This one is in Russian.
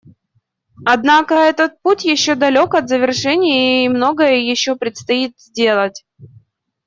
Однако этот путь еще далек от завершения и многое еще предстоит сделать.